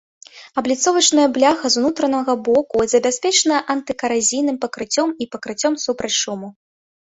Абліцовачная бляха з унутранага боку забяспечана антыкаразійным пакрыццём і пакрыццём супраць шуму.